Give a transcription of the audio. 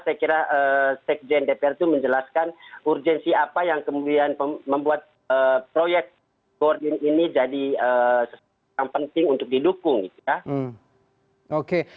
saya kira sekjen dpr itu menjelaskan urgensi apa yang kemudian membuat proyek boarding ini jadi sesuatu yang penting untuk didukung gitu ya